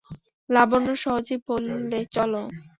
লাবণ্য সহজেই বললে, চলো।